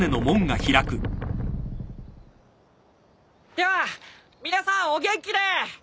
では皆さんお元気で！